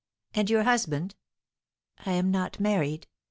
"And your husband?" "I am not married.